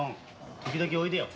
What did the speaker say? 時々おいでよ。